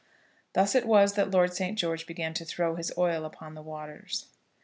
Thus it was that Lord St. George began to throw his oil upon the waters.